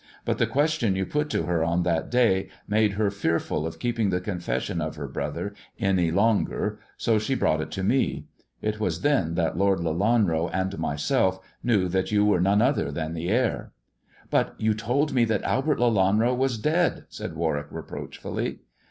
But the question you put to her on that day made her fearful of keeping the confession of her brother any longer, so she brought it to me. It was then that Lord Lelanro and myself knew that you were none other than the heir." " But you told me that Albert Lelanro was dead," said Warwick reproachfully.